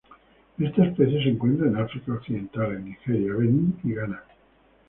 Esta especie se encuentra en África occidental en Nigeria, Benin y Ghana.